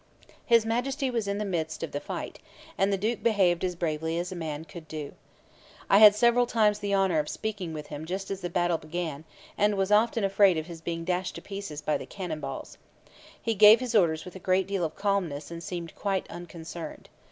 His Majesty was in the midst of the fight; and the duke behaved as bravely as a man could do. I had several times the honour of speaking with him just as the battle began and was often afraid of his being dashed to pieces by the cannon balls. He gave his orders with a great deal of calmness and seemed quite unconcerned.